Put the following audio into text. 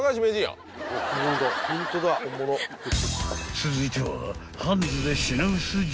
［続いては］